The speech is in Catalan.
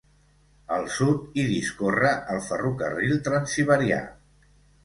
Al sud hi discorre el ferrocarril transsiberià.